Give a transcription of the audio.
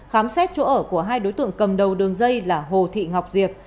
khám xét chỗ ở của hai đối tượng cầm đầu đường dây là hồ thị ngọc diệp